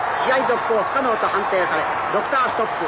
続行不可能と判定されドクターストップ。